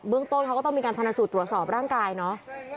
เรื่องต้นเขาก็ต้องมีการชนะสูตรตรวจสอบร่างกายเนาะ